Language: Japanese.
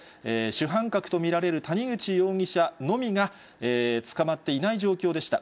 主犯格と見られる谷口容疑者のみが、捕まっていない状況でした。